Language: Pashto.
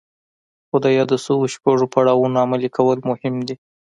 خو د يادو شويو شپږو پړاوونو عملي کول مهم دي.